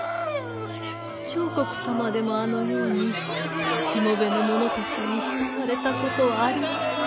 相国様でもあのようにしもべの者たちに慕われたことはありませぬ。